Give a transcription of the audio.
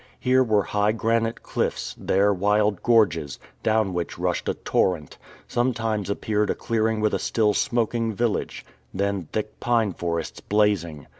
Here were high granite cliffs, there wild gorges, down which rushed a torrent; sometimes appeared a clearing with a still smoking village, then thick pine forests blazing.